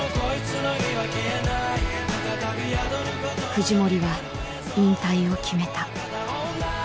藤森は引退を決めた。